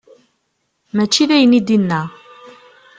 Mačči d ayen i d-yenna.